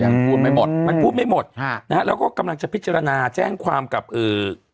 ยังพูดไม่หมดมันพูดไม่หมดฮะนะฮะแล้วก็กำลังจะพิจารณาแจ้งความกับเอ่อ